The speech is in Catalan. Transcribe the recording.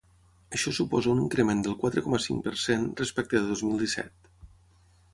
Això suposa un increment del quatre coma cinc per cent respecte de dos mil disset.